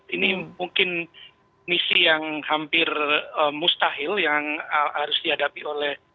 ini mungkin misi yang hampir mustahil yang harus dihadapi oleh